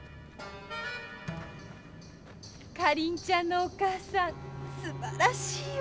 かりんちゃんのお母さん素晴らしいわ。